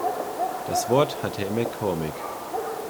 Das Wort hat Herr MacCormick.